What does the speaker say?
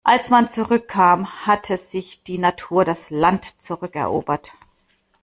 Als man zurückkam, hatte sich die Natur das Land zurückerobert.